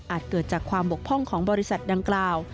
เกิดจากความบกพร่องของบริษัทดังกล่าว